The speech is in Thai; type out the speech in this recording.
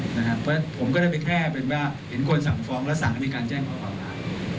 เพราะฉะนั้นผมก็ได้เป็นแค่เห็นคนสั่งฟ้องแล้วสั่งในการแจ้งข้อเก่าหา